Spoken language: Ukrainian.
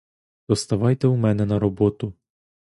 То ставайте у мене на роботу.